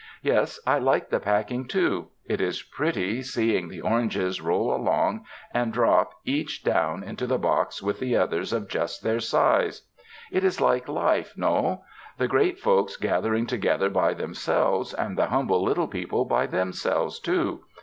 "Yes, I like the packing, too; it is pretty seeing the oranges roll along and drop each down into the box with the others of just their size. It is like life, 109 UNDER THE SKY IN CALIFORNIA no? the great folks gathering together by them selves and the humble little people by themselves, too."